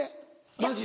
マジで。